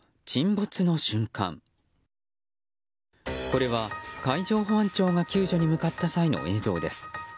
これは、海上保安庁が救助に向かった際の映像です。